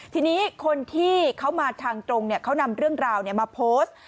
ทีนี้คนที่เขามาทางตรงเขานำเรื่องราวมาโพสต์